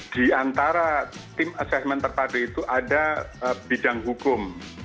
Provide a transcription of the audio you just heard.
di antara tim asesmen terpadu itu ada bidang hukum